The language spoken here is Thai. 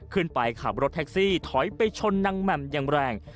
ขับรถแท็กซี่ถอยไปชนนางแหม่มอย่างแรง